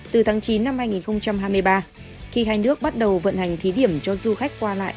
từ tháng chín năm hai nghìn hai mươi ba khi hai nước bắt đầu vận hành thí điểm cho du khách qua lại